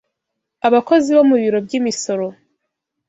Abakozi bo mu biro by'imisoro